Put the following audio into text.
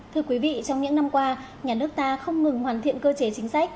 thưa quý vị trong những năm qua nhà nước ta không ngừng hoàn thiện cơ chế chính sách